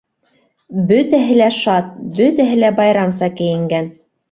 Бөтәһе лә шат, бөтәһе лә байрамса кейенгән.